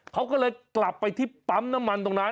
เขาก็เลยกลับไปที่ปั๊มน้ำมันตรงนั้น